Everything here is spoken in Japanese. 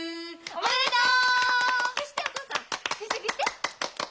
おめでとう！